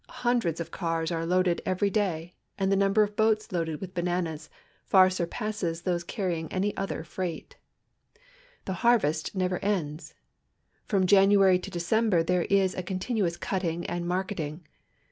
Hundreds of cars are loaded every day, and the number of boats loaded with bananas far surpasses those carry 143 144 COSTA ETC A ing any other freight. The harvest never ends. From January to December there is a continuous cutting and marketing.